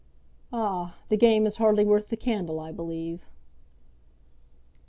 "Ah! the game is hardly worth the candle, I believe."